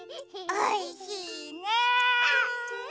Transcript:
おいしいね！